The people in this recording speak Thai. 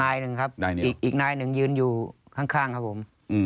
หนึ่งครับอีกนายหนึ่งยืนอยู่ข้างครับผม